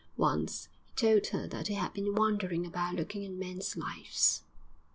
Once he told her that he had been wandering about looking at men's lives.